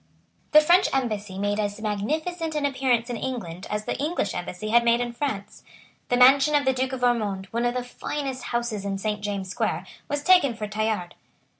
The French embassy made as magnificent an appearance m England as the English embassy had made in France. The mansion of the Duke of Ormond, one of the finest houses in Saint James's Square, was taken for Tallard.